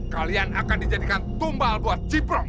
kalian akan dijadikan tumbal buat jeepro